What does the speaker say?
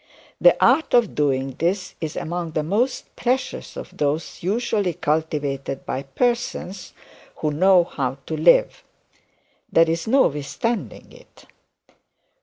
The art of doing this is among the most precious of those usually cultivated by persons who know how to live. There is no withstanding it.